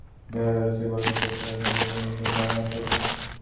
দেখা গেল, এই বরফ ভেঙে ক্লান্ত ও পরিশ্রান্ত ডেভিড ল্যাং আসছেন।